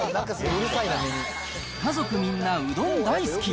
家族みんなうどん大好き。